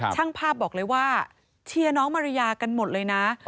ช่างภาพบอกเลยว่าเชียร์น้องมาริยากันหมดเลยนะ